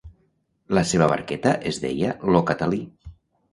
La seva barqueta es deia ‘Lo Catalí’.